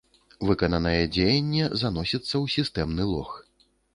Выкананае дзеянне заносіцца ў сістэмны лог.